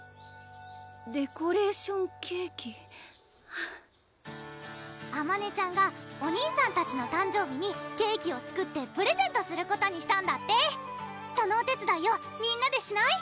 デコレーションケーキあまねちゃんがお兄さんたちの誕生日にケーキを作ってプレゼントすることにしたんだってそのお手つだいをみんなでしない？